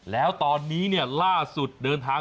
แล้วตอนนี้เนี่ยล่าสุดเดินทาง